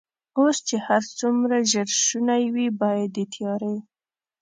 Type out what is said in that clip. اوس چې هر څومره ژر شونې وي، باید د تیارې.